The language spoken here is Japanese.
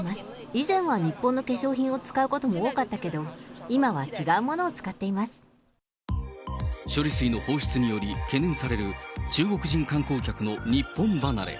以前は日本の化粧品を使うことも多かったけど、処理水の放出により、懸念される中国人観光客の日本離れ。